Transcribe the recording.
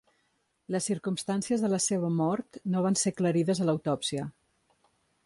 Les circumstàncies de la seva mort no van ser aclarides a l'autòpsia.